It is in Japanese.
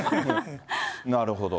なるほど。